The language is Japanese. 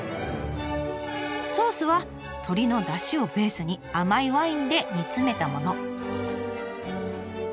ソースは鶏のだしをベースに甘いワインで煮詰めたもの。